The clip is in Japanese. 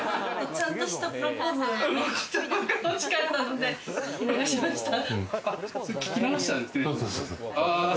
ちゃんとしたプロポーズの言葉が欲しかったので、聞き流しました。